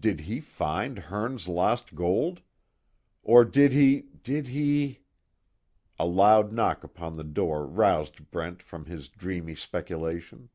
Did he find Hearne's lost gold? Or, did he did he ?" A loud knock upon the door roused Brent from his dreamy speculation.